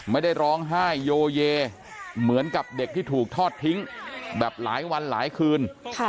ไม่ได้ร้องไห้โยเยเหมือนกับเด็กที่ถูกทอดทิ้งแบบหลายวันหลายคืน